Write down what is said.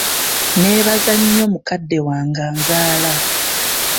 Neebaza nnyo Mukadde wange anzaala.